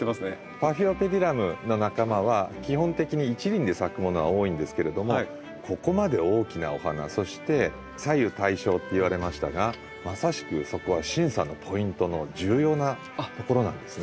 パフィオペディラムの仲間は基本的に一輪で咲くものが多いんですけれどもここまで大きなお花そして左右対称って言われましたがまさしくそこは審査のポイントの重要なところなんですね。